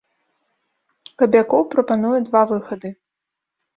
Кабякоў прапануе два выхады.